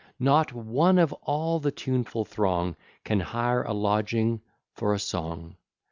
Not one of all the tuneful throng Can hire a lodging for a song.